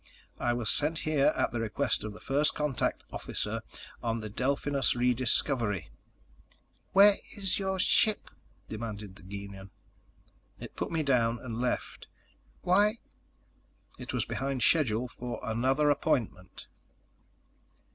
I was sent here at the request of the First Contact officer on the Delphinus Rediscovery." "Where is your ship?" demanded the Gienahn. "It put me down and left." "Why?" "It was behind schedule for another appointment."